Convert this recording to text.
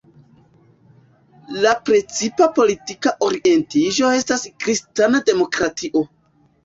La precipa politika orientiĝo estas kristana demokratio.